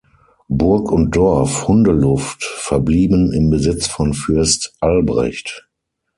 Burg und Dorf Hundeluft verblieben im Besitz von Fürst Albrecht.